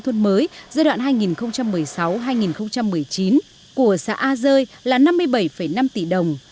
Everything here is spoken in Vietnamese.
tổng số vốn huy động thực hiện xây dựng nông thôn mới giai đoạn hai nghìn một mươi sáu hai nghìn một mươi chín của xã a rơi là năm mươi bảy năm tỷ đồng